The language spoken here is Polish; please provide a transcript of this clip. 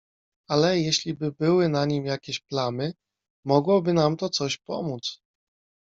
"Ale, jeśliby były na nim jakieś plamy, mogłoby nam to coś pomóc."